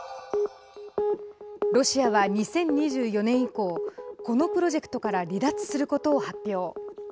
ロシアは、２０２４年以降このプロジェクトから離脱することを発表。